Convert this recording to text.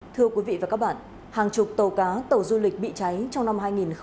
thưa quý vị và các bạn hàng chục tàu cá tàu du lịch bị cháy trong năm hai nghìn một mươi chín